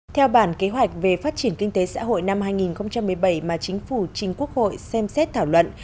theo bản kế hoạch về phát triển kinh tế xã hội năm hai nghìn một mươi bảy mà chính phủ trình quốc hội xem xét thảo luận